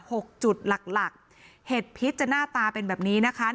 หกจุดหลักหลักเห็ดพิษจะหน้าตาเป็นแบบนี้นะคะ